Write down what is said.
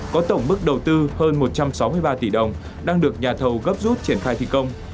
có tổng mức đầu tư hơn một trăm sáu mươi ba tỷ đồng đang được nhà thầu gấp rút triển khai thi công